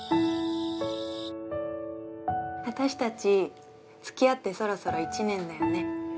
私たちつきあってそろそろ１年だよね。